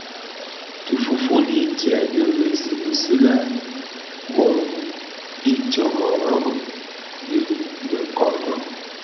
Tifufuli tye dheresi bisi lè bon i ntsōmōrōgō dhi be Kodo,